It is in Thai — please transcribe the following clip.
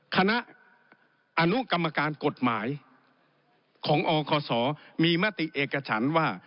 คณะอนุกรรมการกฎหมายของอคศมีมติเอกฉันว่า